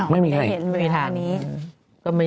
ไม่มีใครเห็นไม่มีทางนี้อ๋อได้เห็น